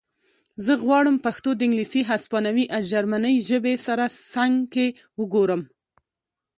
زه غواړم پښتو د انګلیسي هسپانوي او جرمنۍ ژبې سره څنګ کې وګورم